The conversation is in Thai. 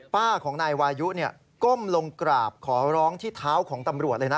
ป้าของนายวายุก้มลงกราบขอร้องที่เท้าของตำรวจเลยนะ